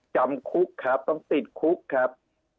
จำคุกครับต้องติดคุกครับ